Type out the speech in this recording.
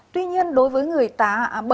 tuy nhiên đối với người ta